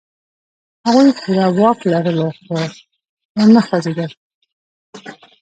هغوی پوره واک لرلو، خو و نه خوځېدل.